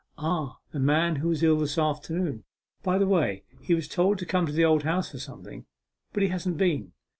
'Ah the man who was ill this afternoon; by the way, he was told to come to the Old House for something, but he hasn't been.